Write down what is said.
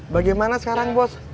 bagaimana sekarang bos